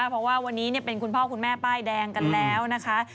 เพราะว่าวันนี้เป็นคุณพ่อคุณแม่ป้ายแดงกันแล้วนะคะ